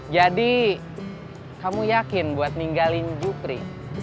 jadi kamu yakin buat ninggalin jupri